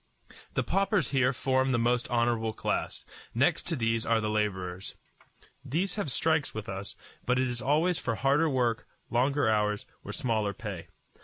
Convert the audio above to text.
The paupers here form the most honorable class. Next to these are the laborers. These have strikes as with us; but it is always for harder work, longer hours, or smaller pay.